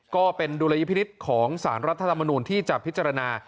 ก็เป็นดุลยิพิฤตของศาลรัฐธรรมนุนที่จะพิจารณา